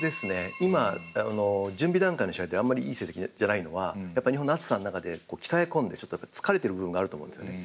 今準備段階の試合であんまりいい成績じゃないのは日本の暑さの中で鍛え込んでちょっと疲れてる部分があると思うんですよね。